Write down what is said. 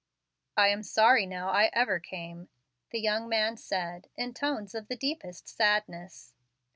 "I am sorry, now, I ever came," the young man said, in tones of the deepest sadness.